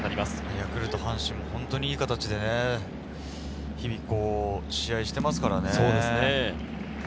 ヤクルト、阪神もいい形でね、日々試合をしていますからね。